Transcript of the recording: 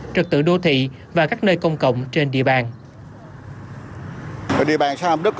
trật tự đô thị và các nơi công cộng trên địa bàn